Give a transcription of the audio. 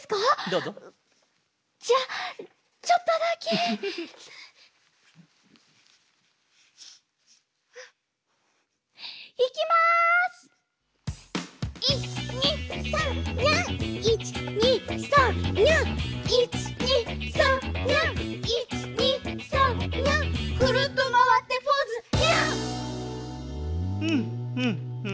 うんうんうんうん。